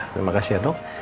terima kasih ya dok